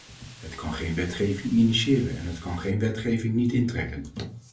Het kan geen wetgeving initiëren en het kan wetgeving niet intrekken.